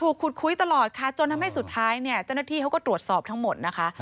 ขุดคุยตลอดค่ะจนทำให้สุดท้ายเนี่ยเจ้าหน้าที่เขาก็ตรวจสอบทั้งหมดนะคะ